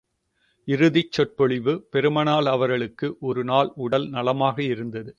இறுதிச் சொற்பொழிவு பெருமானார் அவர்களுக்கு ஒரு நாள் உடல் நலமாக இருந்தது.